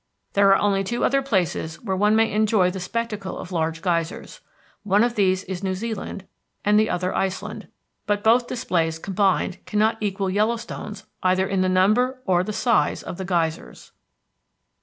There are only two other places where one may enjoy the spectacle of large geysers. One of these is New Zealand and the other Iceland; but both displays combined cannot equal Yellowstone's either in the number or the size of the geysers.